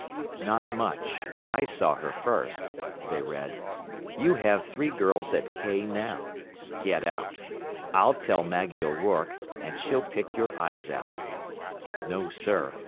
"... not much. I saw her first," they read. "You have three girls at K now.... Get out. I'll tell Maggie O'Rorke, and she'll pick your eyes out.... No, sir.